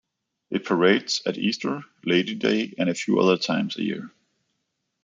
It parades at Easter, Lady Day and a few other times a year.